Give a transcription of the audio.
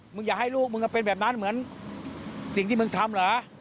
อย่าให้ลูกมึงก็เป็นแบบนั้นเหมือนสิ่งที่มึงทำเหรอ